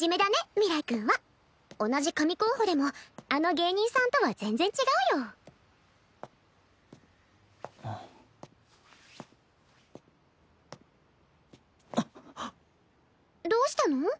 明日君は同じ神候補でもあの芸人さんとは全然違うよあっどうしたの？